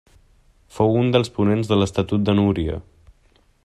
Fou un dels ponents de l'Estatut de Núria.